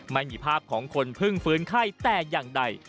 ไม่มีภาพของคนเพิ่งฟื้นไข้แต่อย่างใด